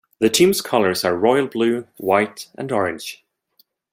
The team's colors are royal blue, white and orange.